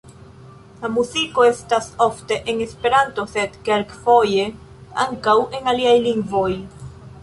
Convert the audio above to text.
La muziko estas ofte en esperanto, sed kelkfoje ankaŭ en aliaj lingvoj.